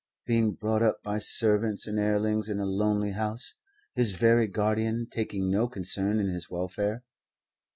being brought up by servants and hirelings in a lonely house, his very guardian taking no concern in his welfare.